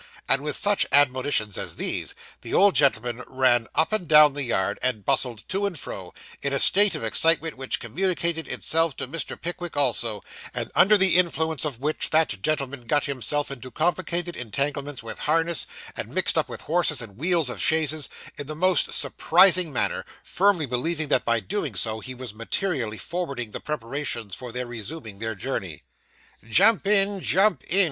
And with such admonitions as these, the old gentleman ran up and down the yard, and bustled to and fro, in a state of excitement which communicated itself to Mr. Pickwick also; and under the influence of which, that gentleman got himself into complicated entanglements with harness, and mixed up with horses and wheels of chaises, in the most surprising manner, firmly believing that by so doing he was materially forwarding the preparations for their resuming their journey. 'Jump in jump in!